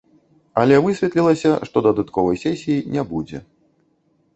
Але высветлілася, што дадатковай сесіі не будзе.